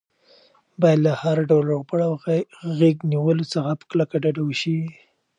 باید له هر ډول روغبړ او غېږ نیولو څخه په کلکه ډډه وشي.